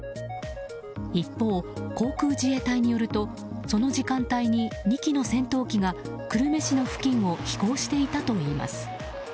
一方、航空自衛隊によるとその時間帯に２機の戦闘機が久留米市の付近を飛行していたといいます。